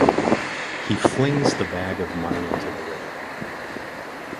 He flings the bag of money into the river.